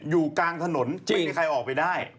อยู่กลางถนนจึงไม่มีใครออกไปได้